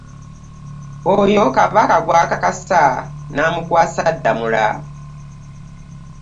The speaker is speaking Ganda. Oyo Kabaka gw’akakasa n’amukwasa Ddamula.